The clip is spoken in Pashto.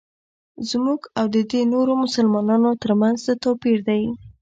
زموږ او ددې نورو مسلمانانو ترمنځ څه توپیر دی.